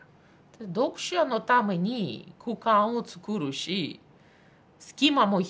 読者のために空間をつくるし隙間も必要で。